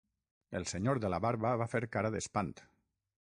El senyor de la barba va fer cara d'espant.